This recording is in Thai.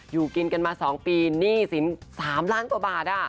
อยู่กินกันมา๒ปีหนี้สิน๓ล้านกว่าบาท